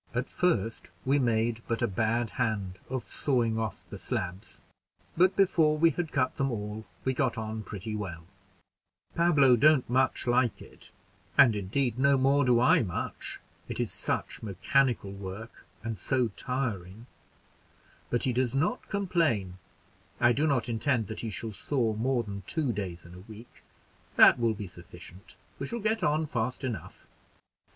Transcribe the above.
At first we made but a bad hand of sawing off the slabs, but before we had cut them all, we got on pretty well Pablo don't much like it, and indeed no more do I much, it is such mechanical work, and so tiring; but he does not complain I do not intend that he shall saw more than two days in a week; that will be sufficient: we shall get on fast enough.